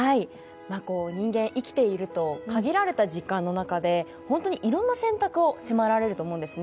人間、生きていると限られた時間野中で本当にいろんな選択を迫られると思うんですね。